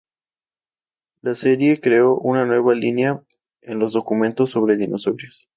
La serie creó una nueva línea en los documentales sobre dinosaurios.